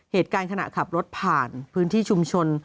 เหตุการณ์ขณะขับรถผ่านพื้นที่ชุมชน